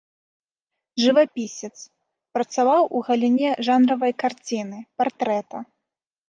Жывапісец, працаваў у галіне жанравай карціны, партрэта.